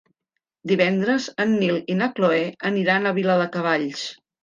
Divendres en Nil i na Cloè aniran a Viladecavalls.